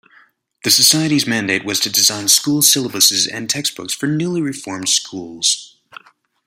The Society's mandate was to design school syllabuses and textbooks for newly reformed schools.